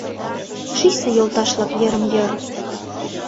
Шичса, йолташ-влак, йырым-йыр.